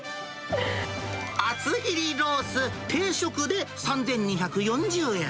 厚切りロース定食で３２４０円。